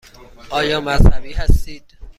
آیا مذهبی هستید؟